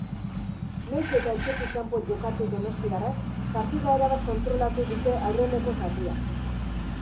Nahiz eta etxetik kanpo jokatu donostiarrek partida erabat kontrolatu dute aurreneko zatian.